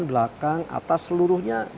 belakang atas seluruhnya